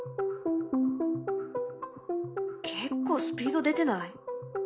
結構スピード出てない？